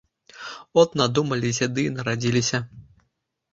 От надумаліся ды і нарадзіліся.